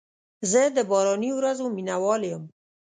زه د باراني ورځو مینه وال یم.